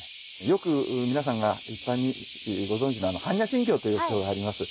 よく皆さんが一般にご存じなの「般若心経」というお経があります。